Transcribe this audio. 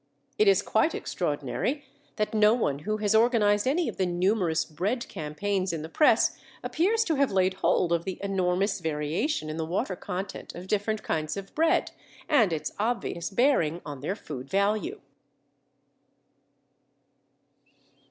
It is quite extraordinary that no one who has organised any of the numerous bread campaigns in the press appears to have laid hold of the enormous variation in the water content of different kinds of bread, and its obvious bearing on their food value.